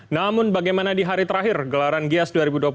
namun bagaimana di hari terakhir gelaran gias dua ribu dua puluh